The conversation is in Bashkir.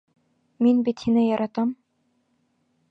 Мин бит һине яратам...